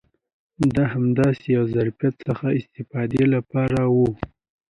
دا د همداسې یو ظرفیت څخه د استفادې لپاره و.